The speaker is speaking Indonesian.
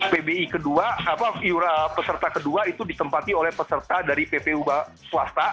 pbi kedua peserta kedua itu ditempati oleh peserta dari ppu swasta